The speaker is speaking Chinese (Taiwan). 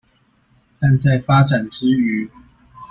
但在發展之餘